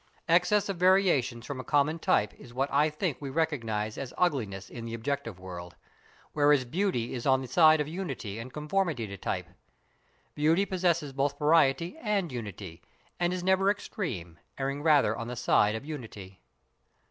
Excess of variations from a common type is what I think we recognise as ugliness in the objective world, whereas beauty is on the side of unity and conformity to type. Beauty possesses both variety and unity, and is never extreme, erring rather on the side of unity.